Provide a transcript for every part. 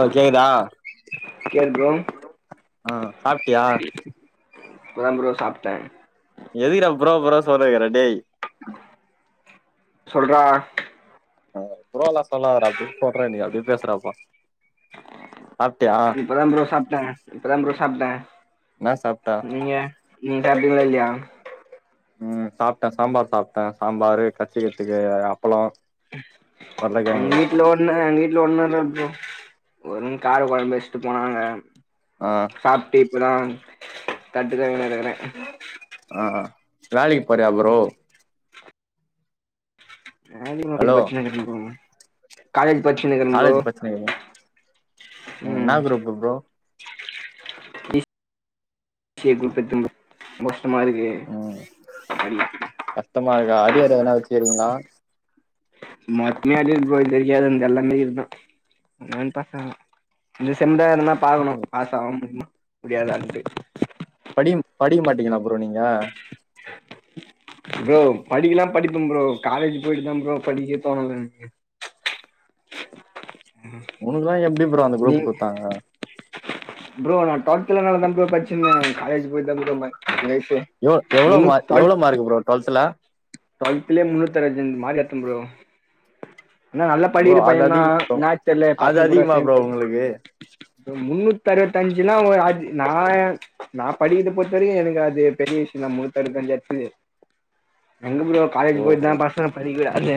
ஆ கேக்குதா கேள் ப்ரோ ஆ சாப்டியா இப்பதா ப்ரோ சாப்ட்டே எதுக்குடா ப்ரோ ப்ரோ சொல்ட்டுகிற டேய் சொல்ரா ஆ ப்ரோலா சொல்லாதடா நிப்பாட்றா நீ அப்டி பேசுறாப்பா இப்பதா ப்ரோ சாப்ட்டே இப்பதா ப்ரோ சாப்ட்டே என்னா சாப்ட்ட நீங்க நீங்க சாப்டிங்ளா இல்லையா ம் சாப்ட்டே சாம்பார் சாப்ட்டே சாம்பாரு கட்ச்சிக்கற்த்துக்கு அப் எங் வீட்ல ஒன்ன எங் வீட்ல ஒன்னு இல்ல ப்ரோ வெறும் காரக் கொழம்பு வச்ட்டு போனாங்க ஆ சாப்ட்டி இப்பதா தட்டு கழுவிணு இருக்குறே ஆ வேலைக்கு போறியா ப்ரோ ஆரொனாடிக் ஹலோ பட்ச்சினு இருக்க ப்ரோ பட்ச்சினு இருக்குற ப்ரோ காலேஜ் பச்சினுருக்கியா ம் என்னா குரூப் ப்ரோ எப்டி பத்தும் ப்ரோ டமாருக்கு ம் டமா இருக்கா அரியர் எதனா வச்சுருக்கீங்ளா மொத்தமே அரியர் ப்ரோ இது தெரியாதுன் எல்லாமே இதுதா எங் பசங்க இந்த செம்தா எதனா பக்கணு ம் பாசாவ முடியுமா முடியாதான்ட்டு டியும் படிக்க மாட்டீங்களா ப்ரோ நீங்க ப்ரோ படிக்கலான் படிப்பம் ப்ரோ காலேஜு போய்ட்டுதா ப்ரோ படிக்கே தோணல உனக்குலா எப்டி ப்ரோ அந்த நீ குரூப் குட்த்தாங்க ப்ரோ நா ட்வல்த்துல நல்லாதாங் ப்ரோ படிச்ருந்தே காலேஜு போய்ட்டுதாங் ப்ரோ மக் [unintelligible] ப்ரோ எவ்ளோ மார் எவ்ளோ மார்க்கு ப்ரோ ட்வெல்த்துல ட்வெல்த்துலே முன்னூத்தறுவத்தஞ்சு மார்க் எடுத்தன் ப்ரோ ஆனா நல்லா ப்ரோ படிக்குற அது அதிக பையந்தா என்னாச் தெர்ல அது பசங்கூட அதிகமா ப்ரோ சேந்து உங்களுக்கு அ முன்னூத்தறுவத்தஞ்சுனா வ அது நா நா படிக்கிறத பொறுத்த வரைக்கு எனக்கு அது பெரிய விஷ் நா முன்னூதறுவத்தஞ்சு எட்த்தது எங்க ப்ரோ காலேஜு ஓஹோ போய்ட்டுதா பசங்க படிக்கவிடாதே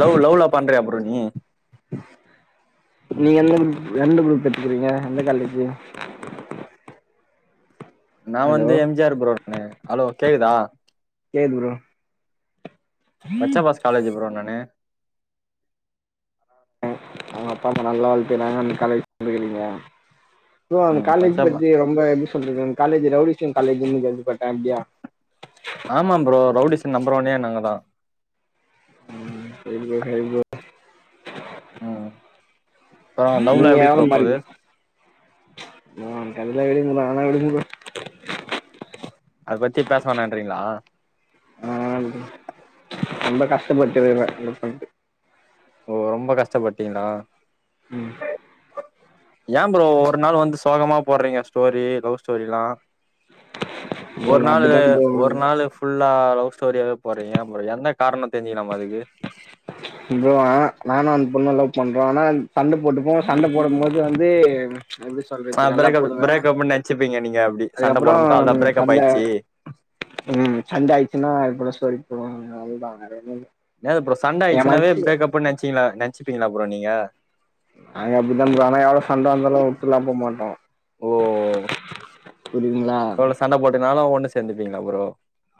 லவ் லவ்லா பண்றியா ப்ரோ நீ நீங்க எந்த குரூப் எந்த குரூப் எட்த்துக்கிறீங்க எந்த காலேஜு நா வந்து எம் ஜி ஆர் ப்ரோட்னு ஹலோ கேக்குதா கேக்குது ப்ரோ பச்சபாஸ் காலேஜு ப்ரோ நானு ம் அவுங்க அப்பா அம்மா நல்லா வளத்துக்றாங்க அந்த காலேஜு படிக்கிறீங்க ப்ரோ அந்த ம் காலேஜு பச்சாபா பத்தி ரொம்ப எப்டி சொல்றது அந்த காலேஜு ரவ்டிஸம் காலேஜுனு கேள்விபட்டே அப்டியா ஆமா ப்ரோ ரவுடிஸ்க்கு நம்பர் ஒன்னே நாங்கதா [inaudible] ம் அப்றோ லவ்லா நீங்க எப்டி எவ்ளோ ப்ரோ போது மாருவீங்க [unintelligible] வேணா விடுங்க ப்ரோ அது பத்தி பேச வேணான்றிங்ளா வேணா விடுங்க ரொம்ப கஷ்டப்பட்டுருக்கறே [inaudible] ஓ ரொம்ப கஷ்டப்பட்டீங்ளா ம் ஏ ப்ரோ ஒரு நாள் வந்து சோகமா போட்றீங்க ஸ்டோரி லவ் ஸ்டோரிலா ஒரு நான் நாளு அப்படிதான் ப்ரோ ஒரு நாளு ஃபுல்லா லவ் ஸ்டோரியாவே போட்றீங்க ஏ ப்ரோ என்ன காரணோ தெரிஞ்சிக்கிலாமா அதுக்கு நானு அந் பொண்ணு லவ் பண்றோ ஆனா அந் சண்ட போட்டுப்போ சண்ட போடம்மோது வந்தேம் ச்ச எப்டி ஆ சொல்றது நல்லா பிரேக்கப் போடுவே பிரேக்கப்னு நெனச்சுப்பீங்க நீங்க அப்டி சண்ட போடும்போது அதா அதுக்கப்பறோம் பிரேக்கப் சண்ட ஆயிடுச்சு ம் சண்ட ஆயிச்சினா இதுப்போல ஸ்டோரி போடுவோ எ அவுள்தா வேற ஒண்ணுயு இல்ல ஏ ப்ரோ சண்ட என் ஆயிச்சுனாவே மனசு பிரேக்கப்புன் நென்ச்சிங்ளா நென்ச்சிப்பீங்ளா ப்ரோ நீங்கா நாங்க அப்டிப்த்தா ப்ரோ ஆனா எவ்ளோ சண்ட வந்தாலோ உட்டுட்லா போ மாட்டோ ஓ புரியுதுங்களா எவ்ளோ சண்ட போட்டுனாலோ ஒண்ணு சேந்துப்பீங்ளா ப்ரோ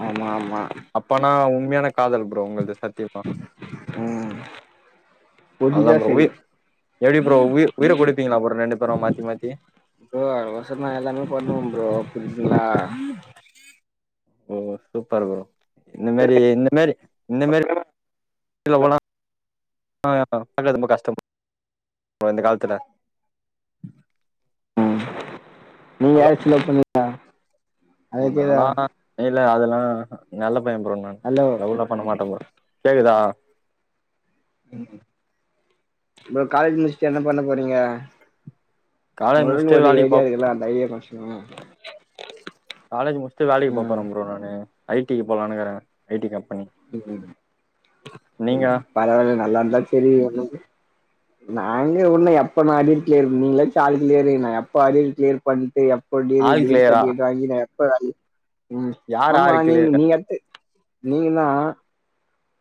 ஆமா ஆமா அப்பனா உண்மையான காதல் ப்ரோ உங்குள்து சத்திய்மா புடிஞ்சா செரி எப்டி ப்ரோ உயிர் உயிர குடுப்பீங்ளா ப்ரோ ரெண்டு பேரோ மாத்தி மாத்தி பசக்தா எல்லாமே பண்ணுவோ ப்ரோ புரித்துங்ளா ஓ சூப்பர் ப்ரோ இன்ன மேரி இன்ன மேரி இன்ன மேரி [unintelligible] [unintelligible] ரொம்ப கஷ்டம் ப்ரோ ப்ரோ இந்த கால்த்துல ம் நீங்க ஹலோ யாராச்சு லவ் பண்ணி ளா ப்ரோ ஹலோ கேகுதா நாலா இல்ல அதெல்லா அ நல்ல பைய ப்ரோ நா ஹலோ லவ்வுலா பண்ண மாட்டே ப்ரோ கேக்குதா ம் ப்ரோ காலேஜ் முடிச்சுட்டு என்ன பண்ண போறீங்க காலேஜ் [unintelligible] முடிச்சுட்டு ஒரு வேலைக்கு போ ஐடியா இருக்குல்லே அந்த ஐடியா ஃபர்ஸ்ட்டு சொல்லுங்க காலேஜ் முச்சுட்டு வேலக்கி போபோறே ப்ரோ நானு ஐ டி க்கு போலானுக்குறே ஐ டி கம் நீங்க பரவால நல்லாந்தா செரி ஒண்ணுமில்ல நாங்க உன்னு எப்ப நா அரியரு க்ளியர் நீங்களாச்சு ஆல் க்ளியரு நா எப்ப அரியரு க்ளியர் பண்ட்டு எப் போ டிகிரி ஆல் டிகிரி கிளியரா சர்டிஃபிகேட் வாங்கி நா எப்போ வேலக்கி ம் யார் ஆமா ஆறு நீங் கிளியர் நீங் அடுத்து நீங்கனா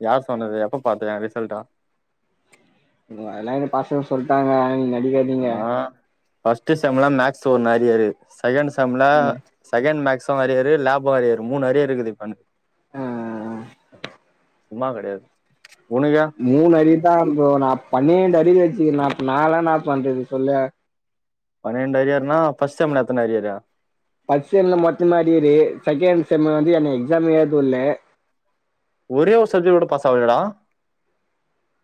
யார் சொன்னது எப்ப பாத்த எ ரிசல்ட்டா ம் அதலா எனக் பசங்க சொல்ட்டாங்க நீங்க நடிக்காதீங்க ஃபர்ஸ்ட்டு செம்ல மேக்ஸ் ஒன்னு அரியரு செகண்ட் செம்ல ம் செகண்ட் மேக்ஸ் தோ அரியரு லேப்போ அரியரு மூணு அரியரு இருக்குதிப்ப எனக் ஆ சும்மா கெடையாது உனக்கு மூணு அரியர்தா ப்ரோ நா பன்னேண்டு அ [unintelligible] நாளா என்னாப் பண்றது சொல்லு பனெண்டு அரியர்னா ஃபர்ஸ்ட்டு செம்ல எத்தன அரியரு ஃபர்ஸ்ட் செம்ல மட்டுந்தா அரியரு செகண்ட் செம்மு வந்து என்னைய எக்ஸாமே ஏதவொல்ல ஒரே ஒரு சப்ஜெக்ட் கூட பாஸ் ஆவளயாடா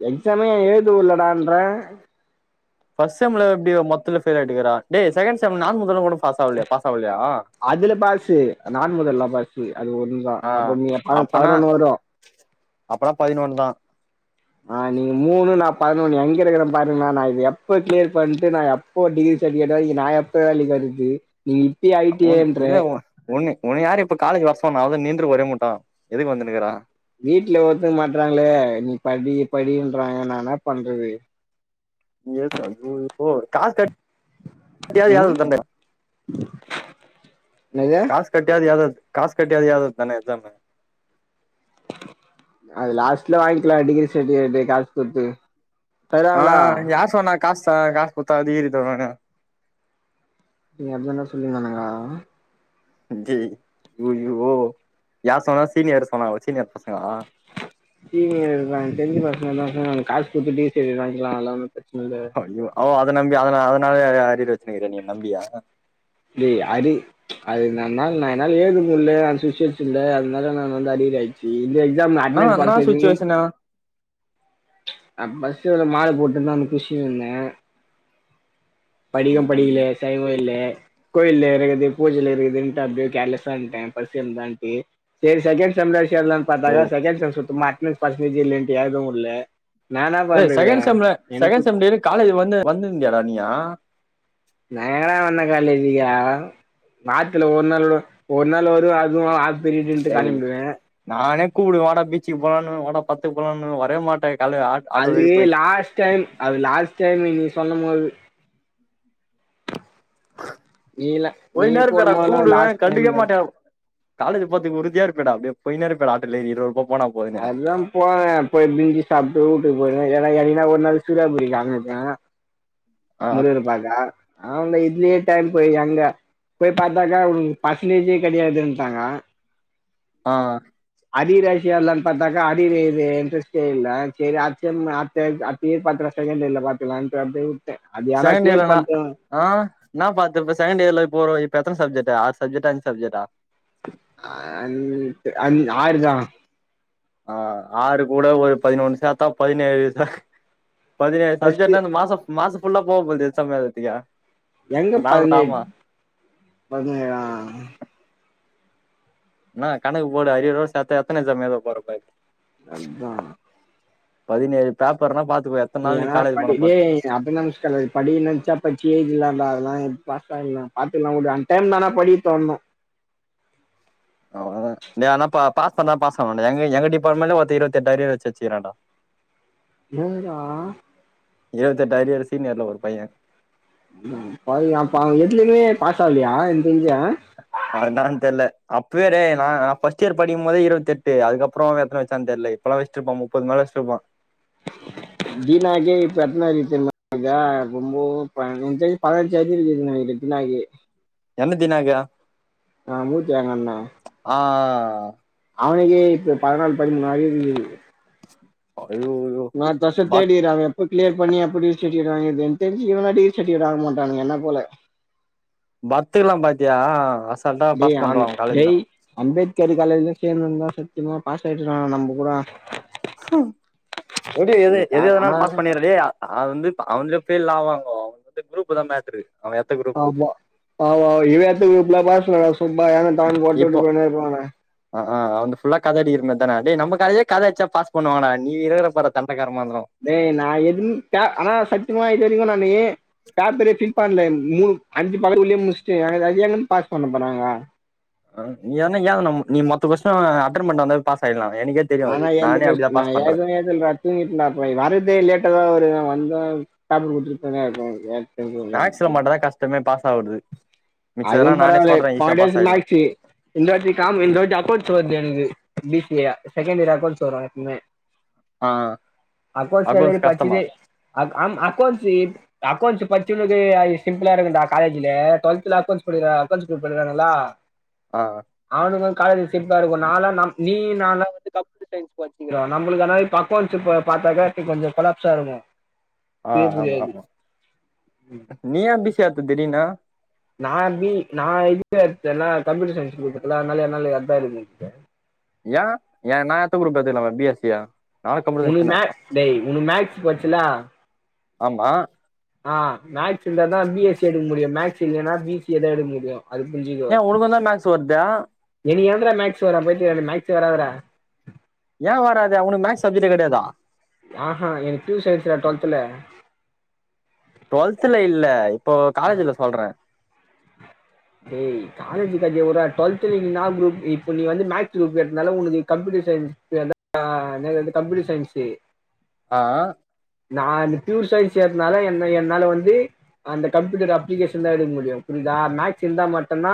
எக்ஸாமே எழுதவொட்லடான்றே ஃபர்ஸ்ட் செம்ல எப்டி மொத்துல ஃபெயில் ஆயிட்டுக்கிறா டேய் செகண்ட் செம் [unintelligible] பாஸ் ஆவுளயா பாஸ் ஆவுளயா அதுல பாசு நான் முதல்ல பாசு அது ஒண்ணு தா ஆ அப்போ நீங்க ப பதனொன்னு வரு அப்பல்லா பதினொன் தா ஆஹ் நீங்க மூணு நா பதனொன்னு எங்க இருக்கிற பாருங்கா நா இது எப்ப க்ளியர் பண்ட்டு நா எப்போ டிகிரி சடிஃபிகேட் வாங்கி நா எப்ப [unintelligible] நீ இப்டி ஆய்டியேன்ற ஒன்ன யாரு இப்ப காலேஜ் வர்சொன்னா அவல்தா நின்று ஒரே மூட்டா எதுக்கு வந்துனுகுறா வீட்ல ஒத்துக் மாட்றாங்களே நீ படி படின்றாங்க நா என்ன பண்றது கால் கட் [inaudible] காசு கட்டியாது யாது ம் என்னது? ஏதாது காசு கட்டியாது ஏதாது தான எக்ஸாமு அது லாஸ்ட்ல வாய்ங்க்கிலா டிகிரி சர்டிஃபிகேட்டு காசுகுத்து ஆஹ் யார் சொன்னா காஸ்த காசு குத்தா டிகிரி தருவானு நீங்க [unintelligible] சொல்லிங்கனங்கா ஜி ஓய்யோ யார் சொன்னா சீனியர் சொன்னாங்களா சீனியர் பசங்க சீனியர் தா தெரிஞ்ச பசங்க தா சொன்னாங்க காசு குட்த்து டிகிரி சர்டிஃபிகேட் வாய்ங்க்கலா [inaudible] அய்யோ ஓ அத நம்பி அதன அதனால தே நறைய அரியர் வெச்சுனுக்குறியா நீ அப்டியா டி அது அது நன்னாள் நா னால ஏதுமுல்ல [unintelligible] அதுனால நானு வந்து அறியர் ஆயிச்சி இதே சாம் நா என்ன அட்னஸ் என்ன பத்தது னு சுச்சுவேஷனா அ பஸ் உள்ள மாடு போட்டுந்தா அந்த குஷிலிந்த படிகம் ஐயோ படிகலே சைவோ இல்லே கோயில்ல இறகுது பூஜைல இருகுதுன்ட்டு அப்டியே கேர்லஸ்ஸா இருன்ட்ட பரிச எழுதன்ட்டான்ட்டு சேரி செகேன்ட் சமிலார் சேர்லான் பாத்தாகா செகேன் செம்சர்த்துமா அட்னன்ஸ் பர்ஸன்டேஜ் இல்லேன்ட்டு ஏழ்து உட்ல எ செகேண் செம்ல செகேண்ட் செம்ல இரு காலேஜ் வந்த வந்திருந்தியாடா நீயா நா எங்கடா வந்த காலேஜிகா நாத்துல ஒர் நாள் கூடு ஒர் நாள் வரு அதுவு ஆஸ்ப்த்திரின் சொல்ட்டு காணாபோய்டுவே கூப்புடு வாடா பீச்சுக் போலானுவோ வாடா பத்துக்கு போலானுவு வரவே மாட்டா அது லாஸ்ட் டைம் அது லாஸ்ட் டைம் நீ சொல்லம்மோது நீல நீ ஒய்னே இருப்பியாடா கூடும் போதுலா கூப்டுவே லாஸ்ட் கண்டுக்கே டைம்ல மாட்ட காலேஜு பாத்துக் உருதியா இருப்பியேடா அப்டியே போய்னே இருப்பியேடா ஆட்டல்லேரி இரு ருபா அதுதா போன போய் பிந்தி சாப்ட்டு ஊட்டுக் போய்ருவ எனா எனி கா ஒரு நாள் சூர்யாபுரிகாஙக்க ஆ முருகர பாக்க அவள்தா இத்லியே டைம் போயி அங்க போய் பாத்தாக்கா உனக்கு பர்சன்டேஜே கடையாதுன்ட்டாங்க ஆ அரியரா சேர்லான் பாத்தாக்கா அரியரெழ்த இன்ட்ரெஸ்டே இல்ல சேரி அச்சேம் [unintelligible] செகேண்ட இயர்ல பாத்துக்லான்ட்டு அப்டே செகண்ட் இயர்ல நா ஆஹ் என்னா பாத்துர்ப்ப செகேண்ட் இயர்ல இப்பொரு இப்பெத்தன சப்ஜக்ட்டு ஆரு சப்ஜக்டா அஞ்சு சப்ஜக்டா அஹ்ஞ் அஞ் ஆருதா ஆஹ் ஆறு கூட ஒரு பதினொன்னு சேத்தா பதினேழு சாஹ் பதினேழு சப்ஜெக்ட் ஃபர்ஸ்ட்டு னா இந்த மாசோ மாச ஃபுல்லா போவ போல்து எக்ஸாம் எழுதத்துக்கே எங்க பதினேழ் பதினேழா நா கணக்கு போடு அரியரோட சேத்தா எத்தன எக்ஸாம் எழுத போற பாக் அதான் பதினேழு பேப்பர்னா பாத் ஏன்னா படி டே [unintelligible] படிக நென்ச்சா பட்ச்சி எழ்தீர்லான்டா அதல்லா பாசாயிர்லா பாத்துக்லா உடு அன்டைம் தானா படிக் தோண்ணு அவளதா டே ஆனா ப பாஸ் பண்ணா பாஸ் ஆவணுன்டா எங்க எங்க டிபார்ட்மெண்ட்ல ஒர்த்த இருவத்தெட்டு அரிய வெச்சு வெச்சிகுரான்டா என்டா இருவத்தெட்டு அரியரு சீனியர்ல ஒரு பைய [unintelligible] பாவோ எதுலிமே பாசோ இல்லையா அதா தெர்ல அப் வேற நான் ஃபஸ்ட் இயர் படிக்குமோதே இருவத்தெட்டு அதுக்கப்றோ எத்தன வெச்சான் தெர்ல இப்பெல்லா வெச்சிட்ருப்பா முப்பதுக் மேல வெச்ட்ருப்பா தீனாக்கே இப்பத்னாரு தெர்மா அ க ரொம்போ [unintelligible] உனக் தெரிஞ்சி பதிணஞ்சி அரியர் எதுனா இருக்குனாயி எர்னூத்தி நாகா ஆ மூத்தி அங்கண்ணா ஆ அவனுக்கே இப்ப பதனால் பதிமூணு அரியர்க்கிது ஐயோயோ நா அட்த்த வர்ஷோ பத் தேட் இயரு அவ எப் ப கிளியர் பண்ணி எப்ப டிகிரி சட்டிவிகேட் வாங்கர்துன் எனக் தெரிஞ்சி இவலா டிகிரி சட்டிவிகேட் வாங்க மாட்டானுங்க என்ன போல பாத்துக்லா பாத்தியா அசால்ட்டா டேய் பாஸ் ஆர்னு பண்றா அவ காலேஜ்ல டேய் அம்பேத் சேரி காலேஜ்ல சேந்திர்ந்தா சத்யிமா பாஸ் ஆய்ட்ருக்லா நம்ப கூட ஒடிய எது எத எதனால ஆனா பாஸ் பண்ணிறே டே அ அது வந்து ப [unintelligible] ஃபெயில் ஆவாங்கோ அவுங்க வந்து குரூப் தா மேட்ரு அவ எத்த குரூப் ஆமா அமா இவெ எந்த குரூப்ல பாஸ் [unintelligible] சும்மா எனோ தானோனு இப்போ போட்டுட்டு போயினே இருப்பாங்க ஆ ஆ அவெ வந்து ஃபுல்லா கத அடிக்கிற மேர் தான டே நம்ம கதையே கத அட்ச்சா பாஸ் பண்ணுவாங்க டா நீ இருக்கற பாரா தண்டைக் டேய் நா எதுன் க ஆனா சத்திமா இது வரைக்கு நானே பேப்பரூ ஃபில் பண்ல மூணு அஞ்சு பக்கத் உள்ளே முட்ச்ட்டு அங்கத் அது எங்கந்த் பாஸ் பண்ண போறாங்க ஆ என்ன ஏத் நம் நீ மத்த கொஸ்டின்லா அட்டன் பண்ட்டு வந்தாவே பாஸ் ஆயிலா ஆனா எந்த கொஸ்டி நா எழ்தவே இது இல்றா தூங்கிட் டா போய் வறதே லேட்டா தா வர் செர் நா வந்தா பேப்பரு குடுத்துருப்பனே [unintelligible] மேக்ஸ்ல மட்டுதா கஷ்டமே பாஸ் ஆவுறது அதுவு மிச்சதெல்லாம் நானே பரவால்ல சொல்றேன் ஈஸியா பாஸ் ஒக்கிட்டையாக்கிது ஆயிடலாம் மேக்சி இந்த வாட்டி காம் இந்த வாட்டி அக்கோன்ஸ் வர்து எனக்கு பி சி ஐ ஆ செகண்ட் இயர் அக்கோன்ஸ் வரு இன்மே ஆ அக்கோண்ஸ் அக்கௌண்ட்ஸ் வரும்போது கஷ்டமா பட்சிரு அத் ஆம் அக்கோண்ஸு அக்கோண்ஸ் பட்ச்சின்னுது அது சிம்பிளா இருக்கு டா காலேஜில டுவெல்த்ல அக்கோன்ஸ் படிறா அக்கோன்ஸ் போய் படிறா நல்லா ஆ அவனுக் வந்த் காலேஜ் சிட்டா இருக்கு நாலா நம் நீ நாலா வந்து கம்யூட்டர் ப்ராகார்த்துக்கு வந்து கொலாப்சா இருந்தோ ஆ ஆமா ஆமா நீயே எப்டி சேத்த திடீர்னு நா பி நா இதுல எடுத்த இல்ல கம்ப்யூட்டர் சயின்ஸ் குரூப் இருக்குல அதனாலயே அதனாலயே அதா இருக்கு ஏ ஏ நா எட்த்த குரூப் எடுத்துக்லாமே பி எஸ் சி யா உனுக் மேக்ஸ் டேய் உனுக்கு மேக்ஸ் படிச்ச இல்லா ஆமா இல்லேன்னா பி சி ஏ தா எடுக் முடியு அது புரிஞ்சிக்கோ ஏன் உனக்கு தான் மேக்ஸ் வருதா என்னியா எப்ட்றா மேக்ஸ் வரு பைத்தியகாரா மேக்ஸே வராதுடா ஏ வராது உனக்கு மேக்ஸ் சப்ஜெட்டே கெடயாதா ஆஹா எனக்கு பியூர் சயின்ஸ் ரா டுவெல்த்ல டுவெல்த்ல இல்ல இப்போ காலேஜ்ல சொல்ற டேய் காலேஜ் கதய வுட்றா டூவெல்த்ல நீ இன்னா குரூப் இப்ப நீ வந்து மேக்ஸ் குரூப் எடுத்ததால உனக்கு கம்ப்யூட் சயின்ஸ் தெர் [unintelligible] நா இன்மேல் வந்து கம்யூட்டர் சயின்ஸு ஆ நா அந்த பியூர் சயின்ஸ் எடுத்னால என்ன என்னால வந்து அந்த கம்ப்யூட்டர் அப்ளிகேஷன் தா எடுக்க முடியு புரிஞ் தா மேக்ஸ் இருந்தா மட்டுதா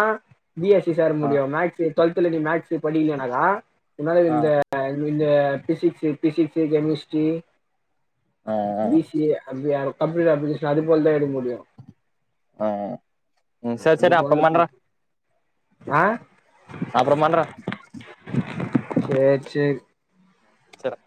பி எஸ் சி சேர ஆ முடியு மேக்ஸ் டுவெல்த்ல நீ மேக்ஸ் படிக்கலனாக்கா முன்னால ஆ இந்த இந்த பிசிக்ஸ் பிசிக்ஸ்சு கெமிஸ்ட்ரி ஆ பி சி ஏ அப்டியே கம்ப்யூட்டர் அப்ளிகேஷன் அது போல தா எடுக்க முடியு ஆ ம் செரி அது செரி அப்பற போல பண்றே ஆ அப்றோ பண்றே சேரி சேரி செர்ரா